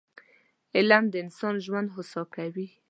علم د انسان ژوند هوسا کوي